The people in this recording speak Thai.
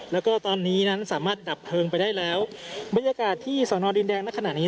แล้วก็ตอนนี้นั้นสามารถดับเพลิงไปได้แล้วบรรยากาศที่สอนอดินแดงในขณะนี้